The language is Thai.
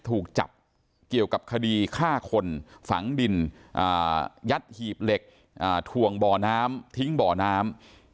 ทวงบ่อน้ำทิ้งบ่อน้ำ